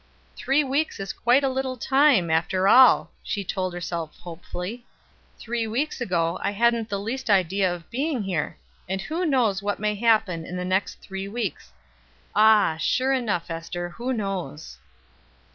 "Three weeks is quite a little time, after all," she told herself hopefully. "Three weeks ago I hadn't the least idea of being here; and who knows what may happen in the next three weeks? Ah! sure enough, Ester, who knows?"